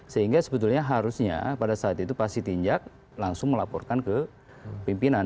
sehingga sebetulnya harusnya pada saat itu pak sitinjak langsung melaporkan ke pimpinan